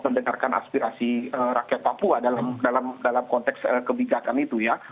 mendengarkan aspirasi rakyat papua dalam konteks kebijakan itu ya